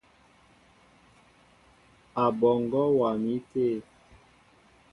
Aɓɔŋgɔ wá mi té.